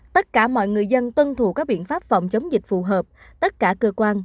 tất cả mọi người dân tuân thủ các biện pháp phòng chống dịch phù hợp tất cả cơ quan